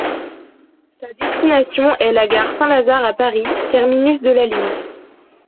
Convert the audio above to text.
Sa destination est la gare Saint-Lazare à Paris, terminus de la ligne.